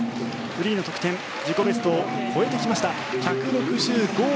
フリーの得点自己ベストを超えてきました。